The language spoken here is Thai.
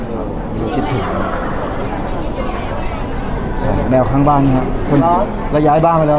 ครับไม่รู้คิดถึงแมวข้างบ้านนี้ฮะแล้วย้ายบ้านไปแล้ว